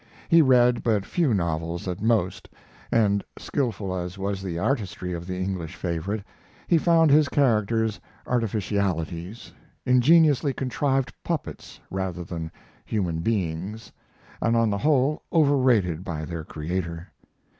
He read but few novels at most, and, skilful as was the artistry of the English favorite, he found his characters artificialities ingeniously contrived puppets rather than human beings, and, on the whole, overrated by their creator.